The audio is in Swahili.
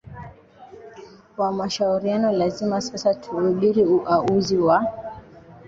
wa mashauriano Lazima sasa tuubiri uauzi wa